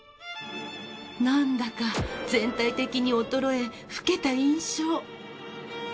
なんだか全体的に衰え老けた印象。